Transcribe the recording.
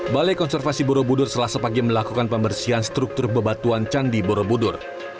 balai konservasi borobudur selasa pagi melakukan pembersihan struktur bebatuan candi borobudur